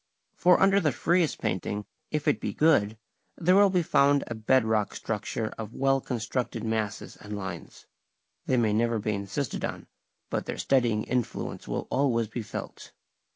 For under the freest painting, if it be good, there will be found a bed rock structure of well constructed masses and lines. They may never be insisted on, but their steadying influence will always be felt.